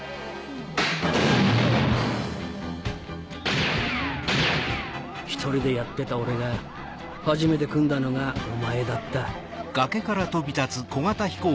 銃声１人でやってた俺が初めて組んだのがお前だった。